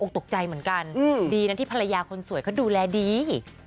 ตกใจเหมือนกันดีนะที่ภรรยาคนสวยเขาดูแลดี